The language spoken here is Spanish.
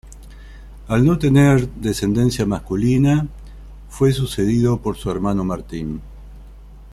Al no tener descendencia masculina, fue sucedido por su hermano Martín.